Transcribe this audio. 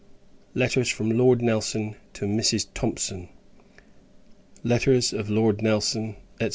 I. Letters FROM LORD NELSON TO MRS. THOMSON. Letters OF LORD NELSON, &c.